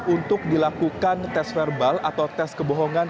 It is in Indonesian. untuk dilakukan tes verbal atau tes kebohongan